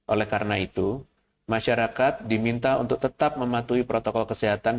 oleh karena itu masyarakat diminta untuk tetap mematuhi protokol kesehatan